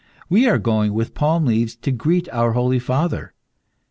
We are going with palm leaves to greet our holy father.